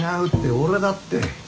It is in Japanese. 俺だって。